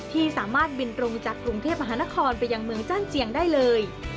ที่สามารถบินตรงจากกรุงเทพมหานครไปยังเมืองจ้านเจียงได้เลย